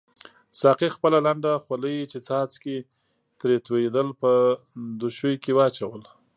ساقي خپله لنده خولۍ چې څاڅکي ترې توییدل په دوشۍ کې واچول.